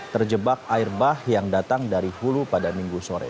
terjebak air bah yang datang dari hulu pada minggu sore